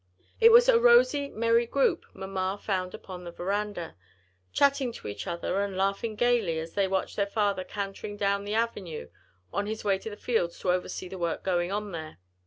It was a rosy merry group mamma found upon the veranda, chatting to each other and laughing gayly as they watched their father cantering down the avenue on his way to the fields to oversee the work going on there.